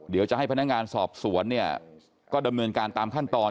เดี๋ยวจะให้พนักงานสอบสวนเนี่ยก็ดำเนินการตามขั้นตอน